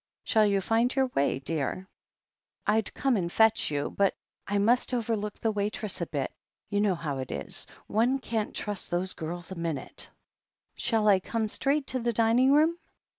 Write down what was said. Shall you find your way, dear ? I'd come and fetch you, but I must over look the waitress a bit — ^you know how it is — one can't trust those, girls a minute." "Shall I come straight to the dining room